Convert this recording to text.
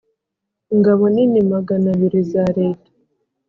ingabo nini magana abiri za leta